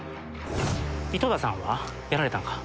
井戸田さんは？やられたんか。